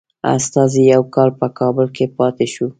استازی یو کال په کابل کې پاته شو.